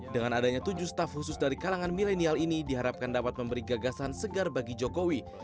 dengan adanya tujuh staff khusus dari kalangan milenial ini diharapkan dapat memberi gagasan segar bagi jokowi